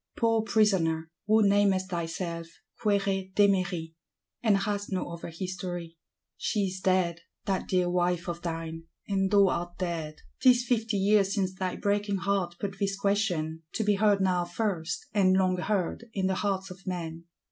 Poor Prisoner, who namest thyself Quéret Démery, and hast no other history,—she is dead, that dear wife of thine, and thou art dead! 'Tis fifty years since thy breaking heart put this question; to be heard now first, and long heard, in the hearts of men.